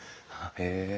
へえ。